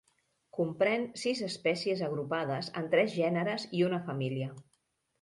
Comprèn sis espècies agrupades en tres gèneres i una família.